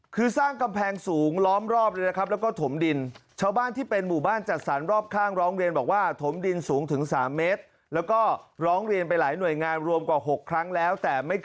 คือสร้างกำแพงสูงล้อมรอบเลยนะครับ